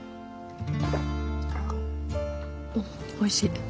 おいしい？